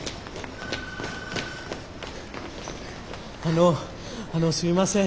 あのあのすいません。